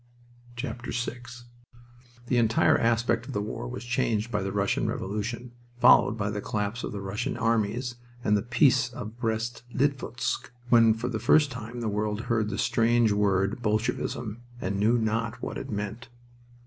VI The entire aspect of the war was changed by the Russian Revolution, followed by the collapse of the Russian armies and the Peace of Brest Litovsk, when for the first time the world heard the strange word "Bolshevism," and knew not what it meant.